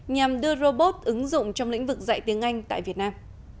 nhằm đưa robot ứng dụng trong lĩnh vực dạy tiếng anh tại việt nam